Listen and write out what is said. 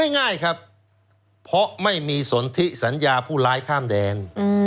ง่ายครับเพราะไม่มีสนทิสัญญาผู้ร้ายข้ามแดน